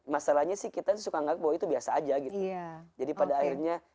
masalahnya sih kita suka nggak bahwa itu biasa aja gitu jadi pada akhirnya